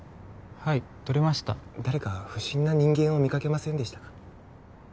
はい通りました誰か不審な人間を見かけませんでしたか？